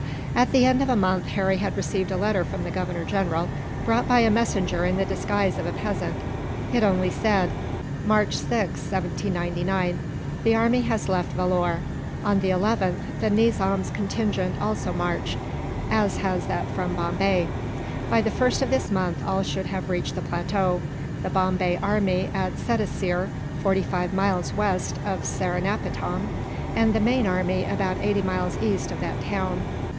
At the end of a month, Harry had received a letter from the Governor General, brought by a messenger in the disguise of a peasant. It only said: "March 6th, 1799. "The army has left Vellore. On the 11th the Nizam's contingent also marched, as has that from Bombay. By the 1st of this month all should have reached the plateau the Bombay army at Sedaseer, forty five miles west of Seringapatam; and the main army about eighty miles east of that town.